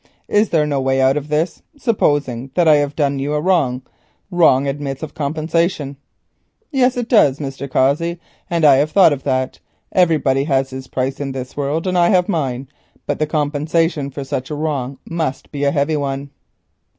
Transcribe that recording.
Is there no way out of this? Supposing that I have done you a wrong, wrong admits of compensation." "Yes, it does, Mr. Cossey, and I have thought of that. Everybody has his price in this world and I have mine; but the compensation for such a wrong must be a heavy one."